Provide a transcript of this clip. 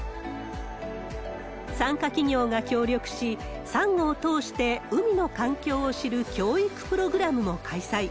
参加企業が協力し、サンゴを通して海の環境を知る教育プログラムも開催。